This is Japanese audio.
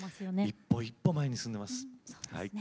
一歩一歩前に進んでます。